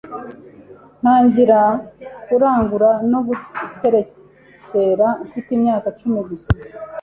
ntangira kuragura no guterekera mfite imyaka icumi gusa,